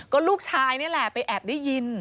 ก็ลูกชายนี่แหละไปแอบได้ยิน